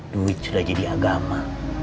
duit sudah jadi agama